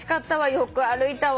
よく歩いたわ』」